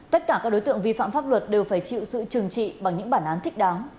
tất cả các đối tượng vi phạm pháp luật đều phải chịu sự trừng trị bằng những bản án thích đáng